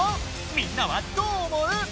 みんなはどう思う？